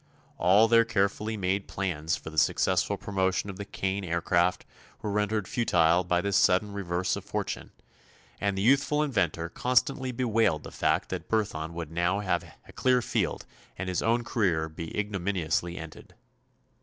All their carefully made plans for the successful promotion of the Kane Aircraft were rendered futile by this sudden reverse of fortune, and the youthful inventor constantly bewailed the fact that Burthon would now have a clear field and his own career be ignominiously ended.